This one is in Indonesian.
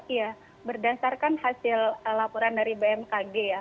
iya berdasarkan hasil laporan dari bmkg ya